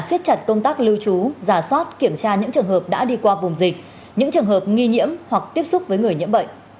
siết chặt công tác lưu trú giả soát kiểm tra những trường hợp đã đi qua vùng dịch những trường hợp nghi nhiễm hoặc tiếp xúc với người nhiễm bệnh